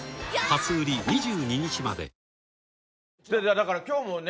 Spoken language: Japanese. だから今日もね